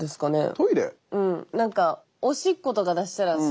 トイレ？